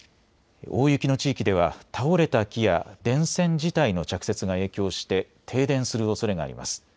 大雪の地域では倒れた木や電線自体の着雪が影響して停電するおそれがあります。